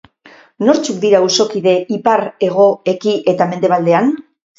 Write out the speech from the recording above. Nortzuk ditu auzokide ipar, hego, eki eta mendebaldean?